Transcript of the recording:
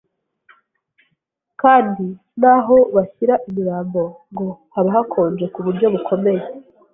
kandi n’aho bashyira imirambo ngo haba hakonje ku buryo bukomeye